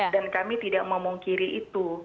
dan kami tidak memungkiri itu